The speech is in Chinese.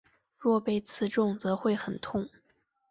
若被刺中则会很痛。